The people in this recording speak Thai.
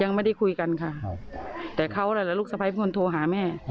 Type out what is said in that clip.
ยังไม่ได้คุยกันค่ะแต่เขาแหละกับลูกสะพ้ายเป็นคนโทรหาแม่